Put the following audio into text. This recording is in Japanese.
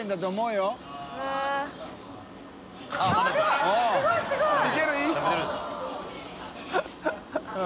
でもすごいすごい！